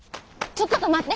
ちょっこと待って。